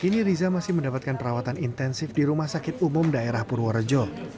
kini riza masih mendapatkan perawatan intensif di rumah sakit umum daerah purworejo